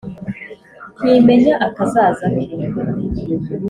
ntimenya akazaza ke